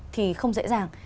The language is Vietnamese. thì không dễ dàng